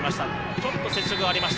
ちょっと接触がありました。